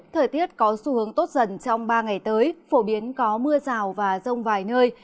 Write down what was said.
thời tiết có xu hướng tốt dần trong ba ngày tới phổ biến có mưa rào và rông vài nơi